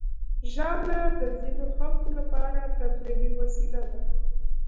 ژاوله د ځینو خلکو لپاره تفریحي وسیله ده.